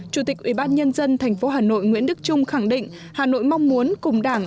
chủ tịch ủy ban nhân dân thành phố hà nội nguyễn đức trung khẳng định hà nội mong muốn cùng đảng